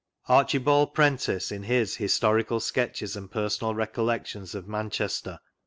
Archibald Prentice, in bis Historical Sketches and Personal Recollections of Martchester (p.